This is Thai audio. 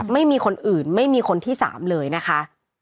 ไม่มีคนอื่นไม่มีคนที่๓เลยนะคะ